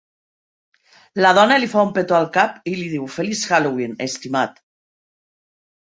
La dona li fa un petó al cap i li diu Feliç Halloween, estimat.